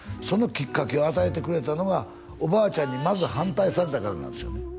そのきっかけを与えてくれたのがおばあちゃんにまず反対されたからなんですよね